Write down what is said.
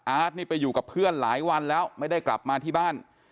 นี่ไปอยู่กับเพื่อนหลายวันแล้วไม่ได้กลับมาที่บ้าน